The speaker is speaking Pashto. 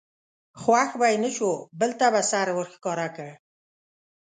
خوښ به یې نه شو بل ته به سر ور ښکاره کړ.